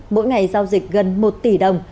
mỗi ngày giao dịch gần một triệu đồng